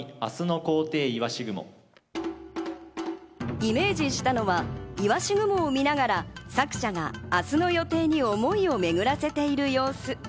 イメージしたのは鰯雲を見ながら作者が明日の予定に思いを巡らせている様子。